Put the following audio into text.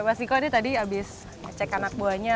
oke mas diko ini tadi habis cek anak buahnya